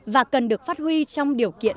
và cần được phát huy trong điều kiện